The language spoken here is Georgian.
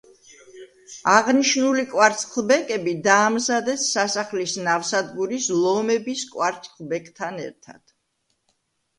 აღნიშნული კვარცხლბეკები დაამზადეს სასახლის ნავსადგურის ლომების კვარცხლბეკთან ერთად.